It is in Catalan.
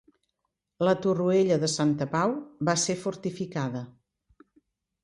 La Torroella de Santa Pau va ser fortificada.